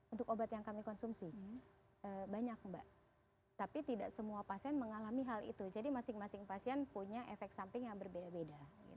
untuk obat yang kami konsumsi banyak mbak tapi tidak semua pasien mengalami hal itu jadi masing masing pasien punya efek samping yang berbeda beda